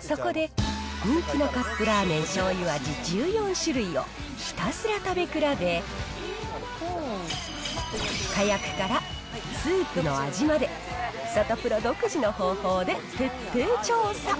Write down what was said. そこで、人気のカップラーメンしょうゆ味１４種類をひたすら食べ比べ、かやくからスープの味まで、サタプラ独自の方法で徹底調査。